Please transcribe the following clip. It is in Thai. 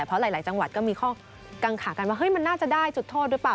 เพราะหลายจังหวัดก็มีข้อกังขากันว่ามันน่าจะได้จุดโทษหรือเปล่า